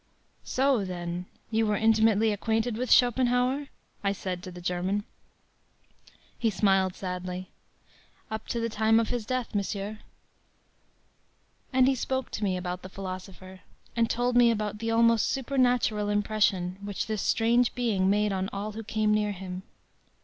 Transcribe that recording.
“So, then, you were intimately acquainted with Schopenhauer?” I said to the German. He smiled sadly. “Up to the time of his death, monsieur.” And he spoke to me about the philosopher and told me about the almost supernatural impression which this strange being made on all who came near him.